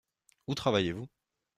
Où travaillez-vous ?